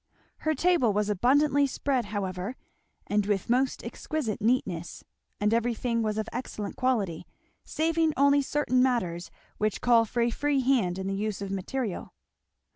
Her table was abundantly spread however, and with most exquisite neatness, and everything was of excellent quality, saving only certain matters which call for a free hand in the use of material.